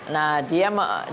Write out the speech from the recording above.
nah dia membicarakan